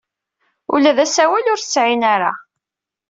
Ula d asawal ur t-sɛin ara.